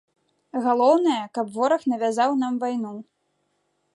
Галоўнае, каб вораг навязаў нам вайну.